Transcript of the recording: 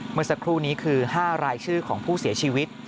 เมื่อสักครู่นี้คือ๕รายชื่อของผู้เสียชีวิต